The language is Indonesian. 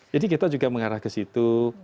jadi kita juga mengarah ke situ